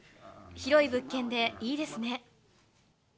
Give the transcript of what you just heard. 広い物件でいいですね。